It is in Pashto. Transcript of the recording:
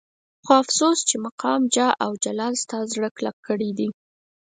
خو افسوس چې مقام جاه او جلال ستا زړه کلک کړی دی.